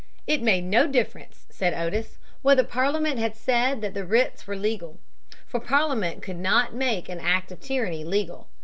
It made no difference, said Otis, whether Parliament had said that the writs were legal. For Parliament could not make an act of tyranny legal.